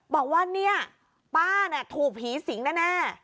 บอกว่านี่ป้าถูกผีสิงห์แน่